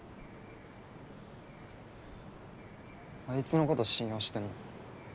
あいつのこと信用してんの？